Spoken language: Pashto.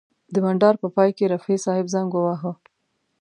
د بنډار په پای کې رفیع صاحب زنګ وواهه.